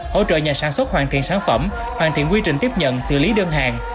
hỗ trợ nhà sản xuất hoàn thiện sản phẩm hoàn thiện quy trình tiếp nhận xử lý đơn hàng